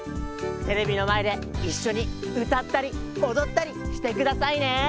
テレビのまえでいっしょにうたったりおどったりしてくださいね！